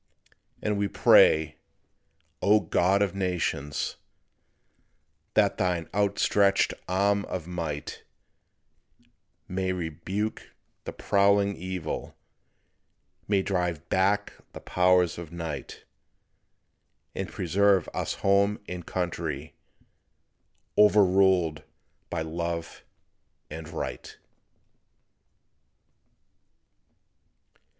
And we pray, O God of Nations, That thine outstretched arm of might, May rebuke this prowling evil, May drive back the powers of night, And preserve us Home and Country Overruled by Love and Right.